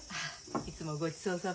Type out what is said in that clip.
いつもごちそうさま。